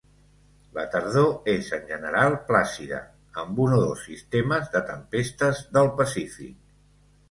La tardor és en general plàcida, amb un o dos sistemes de tempestes del Pacífic.